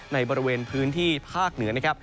ในบริเวณพื้นที่ภาคเหนือนะครับ